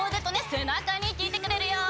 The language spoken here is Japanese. せなかにきいてくれるよ。